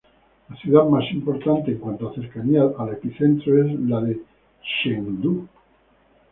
La ciudad más importante en cuanto a cercanía al epicentro es la de Chengdu.